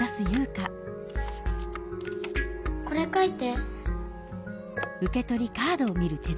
これ書いて。